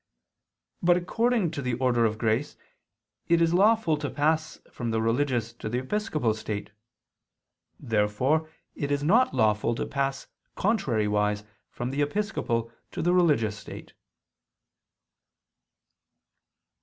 But according to the order of grace it is lawful to pass from the religious to the episcopal state. Therefore it is not lawful to pass contrariwise from the episcopal to the religious state.